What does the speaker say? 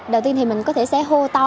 đầu tiên thì mình có thể sẽ hô to